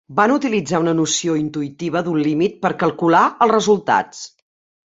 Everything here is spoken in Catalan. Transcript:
Van utilitzar una noció intuïtiva d'un límit per calcular els resultats.